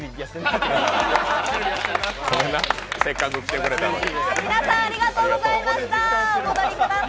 ごめんな、せっかく来てくれたのに。